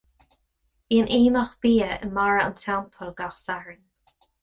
Bíonn aonach bia i mBarra an Teampaill gach Satharn.